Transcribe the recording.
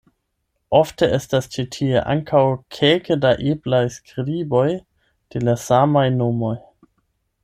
Ofte estas ĉi tie ankaŭ kelke da eblaj skriboj de la samaj nomoj.